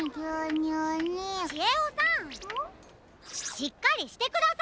しっかりしてください！